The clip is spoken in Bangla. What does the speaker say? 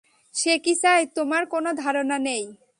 সে কি চায় তোমার কোন ধারণা নেই!